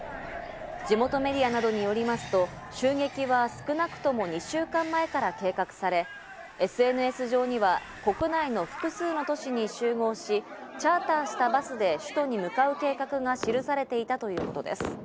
地元メディアなどによりますと、襲撃は少なくとも２週間前から計画され、ＳＮＳ上には国内の複数の都市に集合し、チャーターしたバスで首都に向かう計画が記されていたということです。